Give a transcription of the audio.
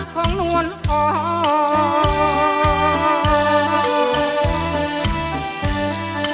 ครองนหวนเอา